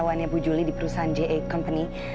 bukawannya bu juli di perusahaan j a company